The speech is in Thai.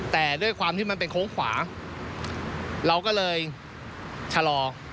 แต่ด้วยความที่มันเป็นโค้งขวาเราก็เลยชะลอ